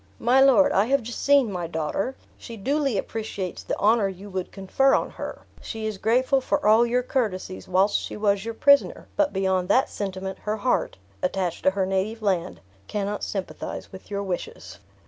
"My lord, I have just seen my daughter. She duly appreciates the honor you would confer on her; she is grateful for all your courtesies whilst she was your prisoner, but beyond that sentiment, her heart, attached to her native land, cannot sympathize with your wishes."